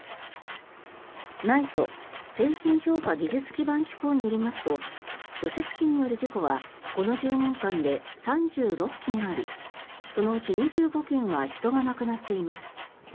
ＮＩＴＥ・製品評価技術基盤機構によりますと除雪機による事故はこの１０年間で３６件ありそのうち２５件は人が亡くなっています。